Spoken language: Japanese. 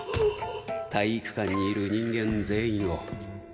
体育館にいる人間全員を。